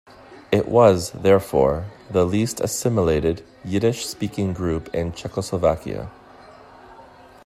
It was, therefore, the least assimilated, Yiddish-speaking group in Czechoslovakia.